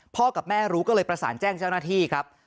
กับแม่รู้ก็เลยประสานแจ้งเจ้าหน้าที่ครับ